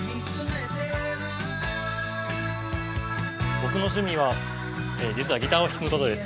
僕の趣味は実はギターを弾くことです。